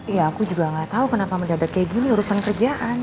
ya aku juga gak tahu kenapa mendadak kayak gini urusan kerjaan